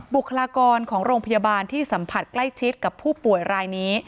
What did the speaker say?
บุคลากรของโรงพยาบาลที่สัมผัสใกล้ชิดกับผู้ป่วยรายนี้